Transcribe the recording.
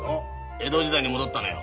江戸時代に戻ったのよ。